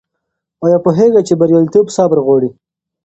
آیا پوهېږې چې بریالیتوب صبر غواړي؟